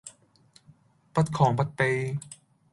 不亢不卑